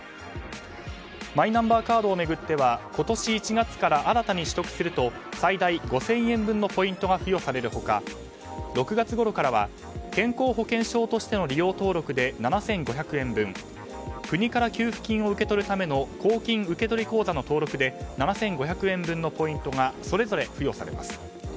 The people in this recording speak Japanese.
マイナンバーカードを巡っては今年１月から新たに取得すると最大５０００円分のポイントが付与される他、６月ごろからは健康保険証としての利用登録で７５００円分国から給付金を受け取るための公金受取口座の登録で７５００円分のポイントがそれぞれ付与されます。